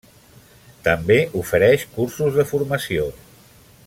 També ofereix cursos de formació.